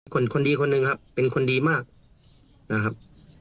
คนคนดีคนหนึ่งครับเป็นคนดีมากนะครับ